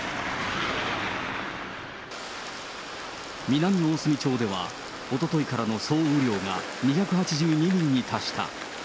南大隅町では、おとといからの総雨量が２８２ミリに達した。